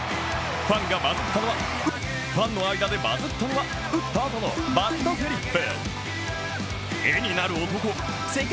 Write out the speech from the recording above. ファンの間でバズったのは打ったあとのバット・フリップ。